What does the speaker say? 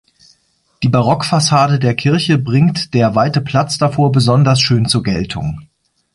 Die Barockfassade der Kirche bringt der weite Platz davor besonders schön zur Geltung.